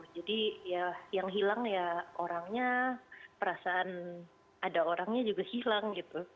jadi yang hilang ya orangnya perasaan ada orangnya juga hilang